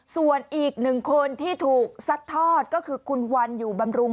ส่วนอีกหนึ่งคนที่ถูกซัดทอดก็คือคุณวันอยู่บำรุง